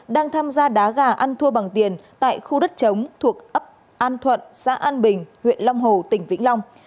đang tham gia đá gà ăn thua bằng tiền tại khu đất chống thuộc ấp an thuận xã an bình huyện long hồ tỉnh vĩnh long